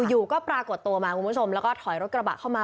อยู่ก็ปรากฏตัวมาคุณผู้ชมแล้วก็ถอยรถกระบะเข้ามา